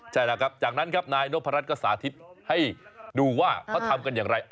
ใช่แล้วครับจากนั้นครับนายนพรัชก็สาธิตให้ดูว่าเขาทำกันอย่างไร